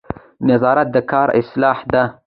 نظارت د کار اصلاح ده